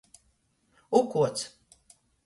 Ukuots.